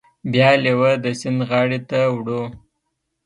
بیا لیوه د سیند غاړې ته وړو.